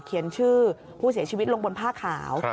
เขียนชื่อผู้เสียชีวิตลงบนผ้าขาว